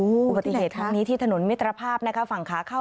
อุปติเหตุที่นี่ที่ถนนมิตรภาพฝั่งค้าเข้า